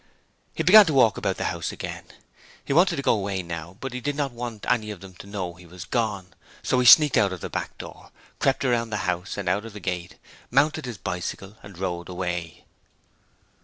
He began to walk about the house again. He wanted to go away now, but he did not want them to know that he was gone, so he sneaked out of the back door, crept around the house and out of the gate, mounted his bicycle and rode away.